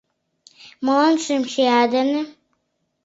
Молан шем чия дене?